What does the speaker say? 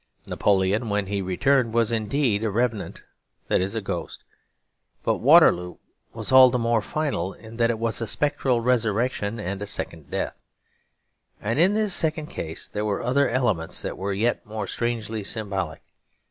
Napoleon when he returned was indeed a revenant, that is, a ghost. But Waterloo was all the more final in that it was a spectral resurrection and a second death. And in this second case there were other elements that were yet more strangely symbolic.